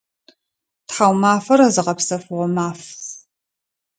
Тхьаумафэр зыгъэпсэфыгъо маф.